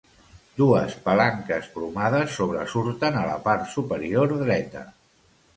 Dues palanques cromades sobresurten a la part superior dreta.